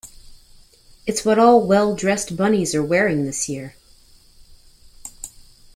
It's what all well-dressed bunnies are wearing this year.